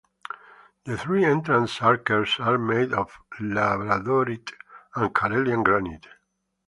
The three entrance arches are made of labradorite and Karelian granite.